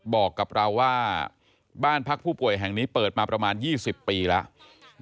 บอกกับเราว่าบ้านพักผู้ป่วยแห่งนี้เปิดมาประมาณ๒๐ปีแล้ว